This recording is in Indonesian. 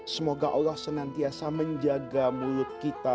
semoga allah senantiasa menjaga mulut kita